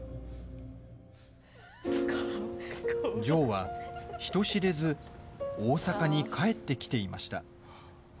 ジョーは、人知れず大阪に帰ってきていました。